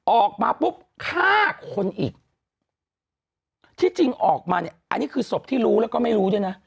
ออกมาปุ๊บฆ่าคนอีกที่จริงออกมาเนี่ยอันนี้คือศพที่รู้แล้วก็ไม่รู้ด้วยนะ